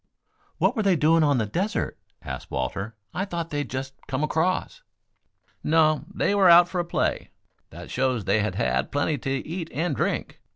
"What were they doing on the desert?" asked Walter. "I thought they had just come across." "No; they were out for a play. That shows they had had plenty to eat and drink.